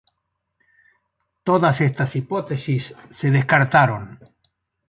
Todas estas hipótesis se descartaron.